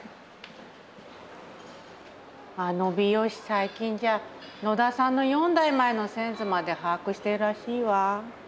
あの美容師最近じゃ野田さんの４代前の先祖まで把握してるらしいわ。